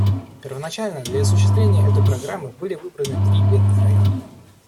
Первоначально для осуществления этой программы были выбраны три бедных района.